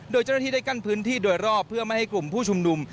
โดยเจ้าหน้าที่ได้กั้นพื้นที่โดยรอบเพื่อไม่ให้กลุ่มผู้ชุมนุม